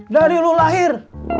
dari lu lahir